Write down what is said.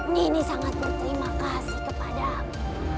ini sangat berterima kasih kepada aku